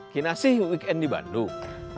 kina sih weekend di bandung